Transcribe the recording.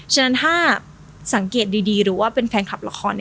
ฉะนั้นถ้าสังเกตดีรู้ว่าเป็นแฟนคลับละคร